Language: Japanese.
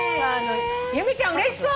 由美ちゃんうれしそう！